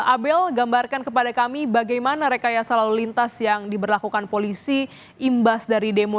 abel gambarkan kepada kami bagaimana rekayasa lalu lintas yang diberlakukan polisi imbas dari demo